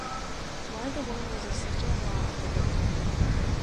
One of the women was a sister-in-law of the victim.